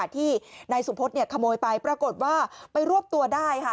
ที่นายสุพธขโมยไปปรากฏว่าไปรวบตัวได้ค่ะ